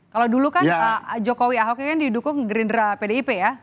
kalau dulu kan jokowi ahok ini kan didukung gerindra pdip ya